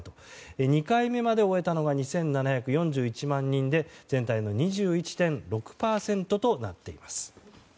２回目まで終えたのが２７４１万人で全体の２１．６％となっています。